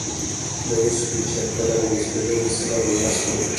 د اوسپنې شرکت د رامنځته کېدو مسأله به مرسته وکړي.